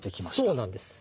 そうなんです。